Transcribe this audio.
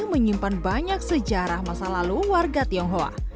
menyimpan banyak sejarah masa lalu warga tionghoa